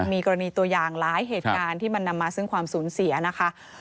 มีกรณีตัวอย่างหลายเหตุการณ์ที่มันนำมาซึ่งความสูญเสียนะคะ